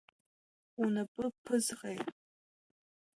Унапы ԥызҟеи?